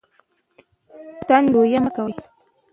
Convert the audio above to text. تند رویه مه کوئ.